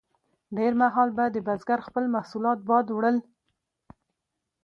ډیر مهال به د بزګر خپل محصولات باد وړل.